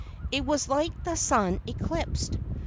It was like the sun eclipsed.